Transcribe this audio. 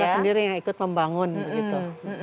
saya sendiri yang ikut membangun gitu